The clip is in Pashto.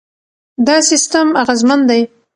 دا سیستم اغېزمن دی.